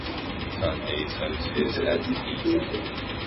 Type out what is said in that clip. Sunday services had ceased.